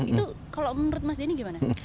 itu kalau menurut mas denny gimana